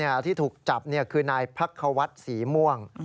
ในคลิปที่ถูกจับคือนายพักควัดศรีม่วง